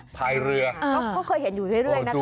ภายเรือดูประจำค่ะเขาเคยเห็นอยู่ด้วยนะคะ